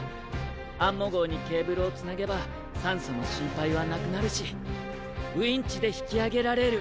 アンモ号にケーブルをつなげば酸素の心配はなくなるしウインチで引きあげられる。